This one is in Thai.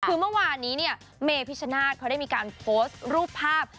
คือเมื่อวานนี้เนี่ยเมพิชนาธิ์เขาได้มีการโพสต์รูปภาพ